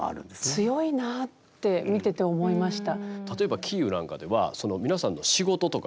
強いなあって見てて思いました。